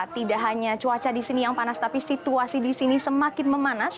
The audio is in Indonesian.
tidak hanya cuaca di sini yang panas tapi situasi di sini semakin memanas